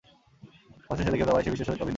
অবশেষে সে দেখিতে পায়, সে বিশ্বের সহিত অভিন্ন।